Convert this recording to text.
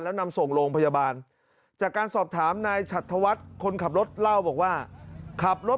แล้วนำส่งโรงพยาบาล